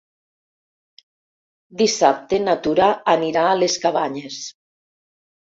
Dissabte na Tura anirà a les Cabanyes.